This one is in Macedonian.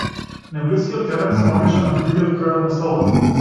Најблискиот терен се наоѓаше на другиот крај од населбата.